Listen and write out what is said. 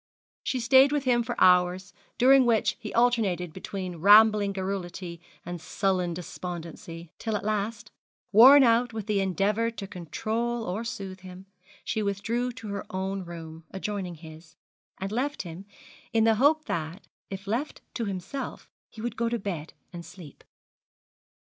She stayed with him for hours, during which he alternated between rambling garrulity and sullen despondency; till at last, worn out with the endeavour to control or to soothe him, she withdrew to her own room, adjoining his, and left him, in the hope that, if left to himself, he would go to bed and sleep.